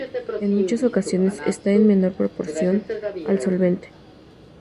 En muchas ocasiones está en menor proporción al solvente.